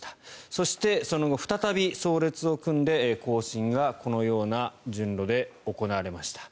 そしてその後再び葬列を組んで行進がこのような順路で行われました。